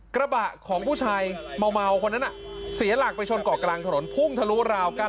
กระบะของผู้ชายเมาคนนั้นเสียหลักไปชนเกาะกลางถนนพุ่งทะลุราวกั้น